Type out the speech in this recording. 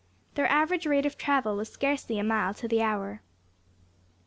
Their average rate of travel was scarcely a mile to the hour.